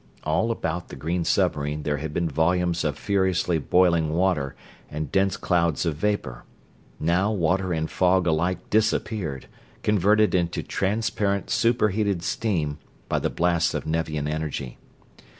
All about the green submarine there had been volumes of furiously boiling water and dense clouds of vapor; now water and fog alike disappeared, converted into transparent superheated steam by the blasts of Nevian energy.